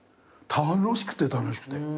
楽しくて楽しくて。